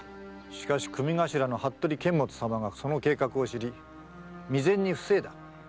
しかし組頭の服部監物様がその計画を知り未然に防いだ。